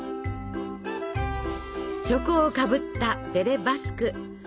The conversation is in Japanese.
チョコをかぶったベレ・バスク。